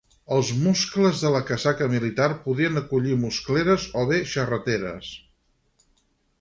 Els muscles de la casaca militar podien acollir muscleres o bé xarreteres.